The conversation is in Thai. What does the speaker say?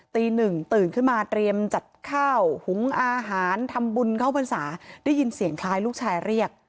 ตีหนึ่งตื่นขึ้นมาเตรียมจัดข้าวหุงอาหารทำบุญเข้าพรรษาได้ยินเสียงคล้ายลูกชายเรียก